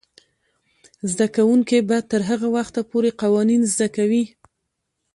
زده کوونکې به تر هغه وخته پورې قوانین زده کوي.